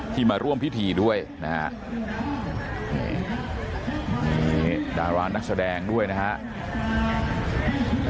ที่มาร่วมพิธีด้วยนะฮะนี่ดารานักแสดงด้วยนะฮะ